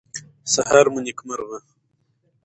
سهار مو نیکمرغه.